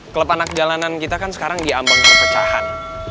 klub anak jalanan kita kan sekarang diambang perpecahan